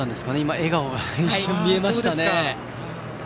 笑顔が一瞬見えました。